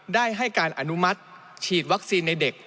ได้ให้การอนุมัติฉีดวัคซีนในเด็ก